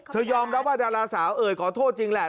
ยอมรับว่าดาราสาวเอ่ยขอโทษจริงแหละ